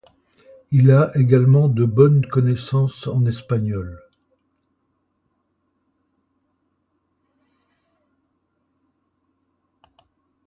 Il a également de bonnes connaissances en espagnol.